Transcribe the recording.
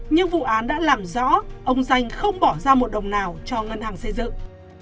nhưng vụ án đã làm rõ ông danh không bỏ ra một đồng nào cho ngân hàng xây dựng